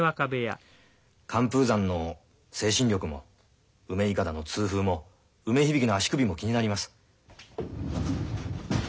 寒風山の精神力も梅筏の痛風も梅響の足首も気になります。